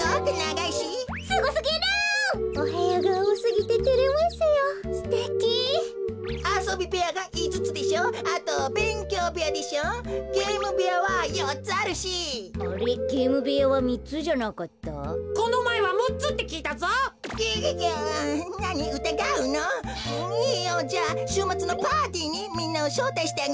いいよ。じゃあしゅうまつのパーティーにみんなをしょうたいしてあげます。